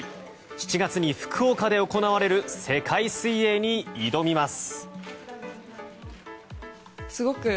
７月に福岡で行われる世界水泳に挑みます。